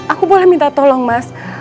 aku boleh minta tolong mas